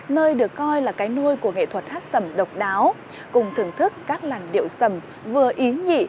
nơi được coi là cái nuôi của nghệ thuật hát sầm độc đáo cùng thưởng thức các làn điệu sầm vừa ý nhị